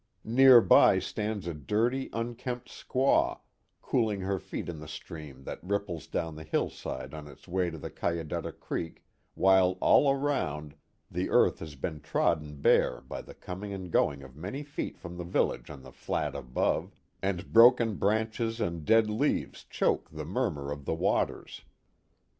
Near by stands a dirty, unkempt squaw, cooling her feet in the stream that ripples down the hillside on its way to the Cayadutta Ctcek, while all around, the earth has been trodden bare by the coming and going of many feet from the village on the flat above, and broken branches and dead leaves choke the mur mur of the waters.